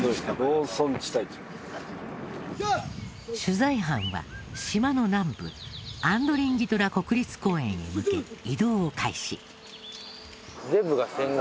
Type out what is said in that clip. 取材班は島の南部アンドリンギトラ国立公園へ向け移動を開始。